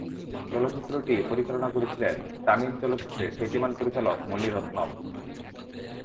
চলচ্চিত্রটি পরিচালনা করেছিলেন তামিল চলচ্চিত্রের খ্যাতিমান পরিচালক মণি রত্নম।